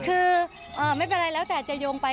คือไม่เป็นไรแล้วแต่จะโยงไป